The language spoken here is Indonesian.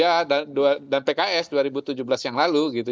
ya dan pks dua ribu tujuh belas yang lalu gitu